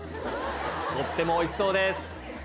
とってもおいしそうです。